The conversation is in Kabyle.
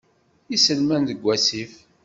Iselman deg wasif.